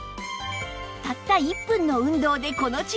たった１分の運動でこの違い